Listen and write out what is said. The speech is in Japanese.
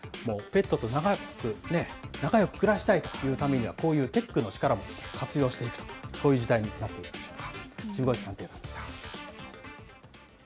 ペットと長く仲よく暮らしたいというためには、こういうテックの力も活用していくという、そういう時代になっているんでしょうか。